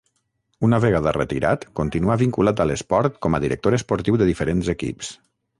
Una vegada retirat continuà vinculat a l'esport com a director esportiu de diferents equips.